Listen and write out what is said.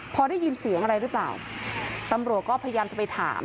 พอได้ยินเสียงอะไรหรือเปล่าตำรวจก็พยายามจะไปถาม